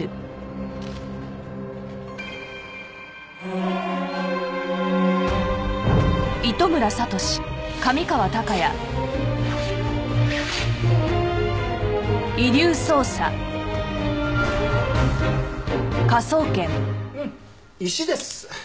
うん石です。